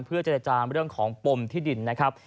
เพื่อเจรจาเรื่องของปมที่ดินนะครับ